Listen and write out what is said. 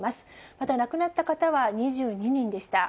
また亡くなった方は２２人でした。